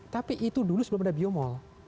tapi itu dulu sebelum ada biomol